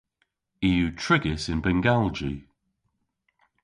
I yw trigys yn bengalji.